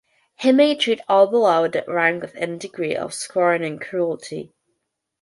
He may treat all below that rank with any degree of scorn and cruelty.